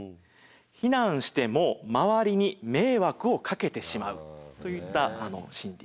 「避難しても周りに迷惑をかけてしまう」といった心理です。